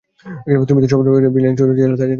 তুমি তো সবসময় ব্রিলিয়ান্ট স্টুডেন্ট ছিলে, না?